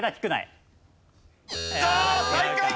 ああ最下位。